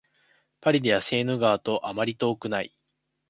パリではセーヌ川とあまり遠くない